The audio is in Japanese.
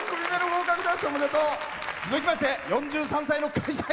続きまして４３歳の会社員。